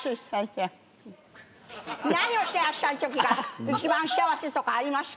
何をしてらっしゃるときが一番幸せとかありますか？